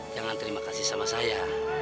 jangan terima kasih sama saya